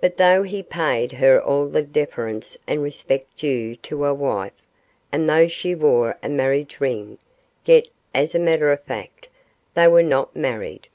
But though he paid her all the deference and respect due to a wife, and though she wore a marriage ring, yet, as a matter of fact, they were not married.